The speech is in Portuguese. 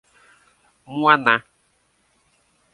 Muaná